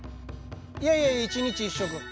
いやいや１日１食。